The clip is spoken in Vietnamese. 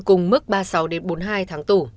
cùng mức ba mươi sáu đến bốn mươi hai tháng tù